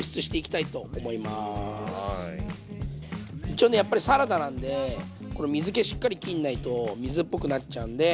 一応ねやっぱりサラダなんでこれ水けしっかりきんないと水っぽくなっちゃうんで。